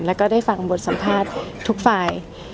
แล้วก็ได้ฟังบทสัมภาษณ์ทุกฝ่าย